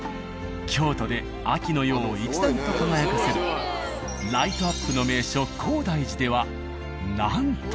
京都で秋の夜を一段と輝かせるライトアップの名所高台寺ではなんと。